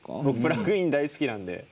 僕プラグイン大好きなんで。